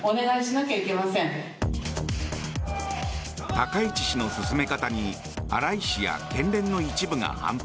高市氏の進め方に荒井氏や県連の一部が反発。